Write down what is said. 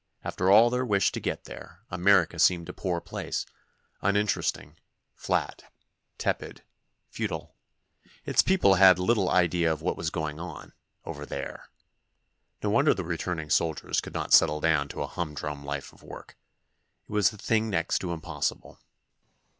After all their wish to get there, America seemed a poor place: uninteresting, flat, tepid, futile—its people had little idea of what was going on, "over there." No wonder the returning soldiers could not settle down to a humdrum life of work. It was a thing next to impossible.